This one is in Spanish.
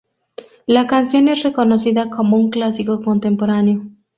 La canción es reconocida como un Clásico Contemporáneo.